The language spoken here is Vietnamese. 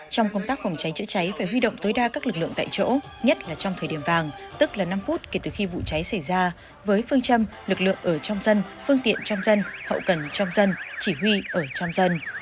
trong công tác phòng cháy chữa cháy phải huy động tối đa các lực lượng tại chỗ nhất là trong thời điểm vàng tức là năm phút kể từ khi vụ cháy xảy ra với phương châm lực lượng ở trong dân phương tiện trong dân hậu cần trong dân chỉ huy ở trong dân